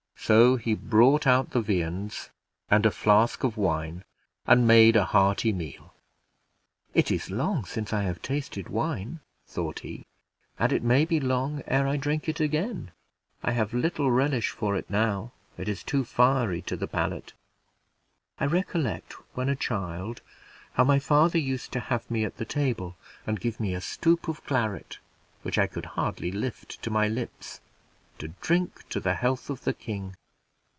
So ho brought out the viands and a flask of wine, and made a hearty meal. "It is long since I have tasted wine," thought he, "and it maybe long ere I drink it again. I have little relish for it now: it is too fiery to the palate. I recollect, when a child, how my father used to have me at the table, and give me a stoup of claret, which I could hardly lift to my lips, to drink to the health of the king."